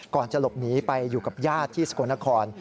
ก่อนจะหลบหนีไปอยู่กับญาติที่สกลนคร